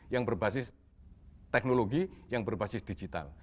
yang berbasis teknologi yang berbasis digital